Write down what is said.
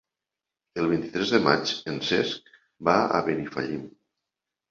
El vint-i-tres de maig en Cesc va a Benifallim.